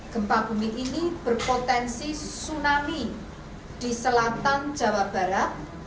gempa bumi ini berpotensi tsunami di selatan jawa barat